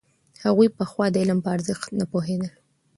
هغوی پخوا د علم په ارزښت نه پوهېدل.